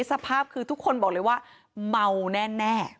สภาพคือทุกคนบอกเลยว่าเมาแน่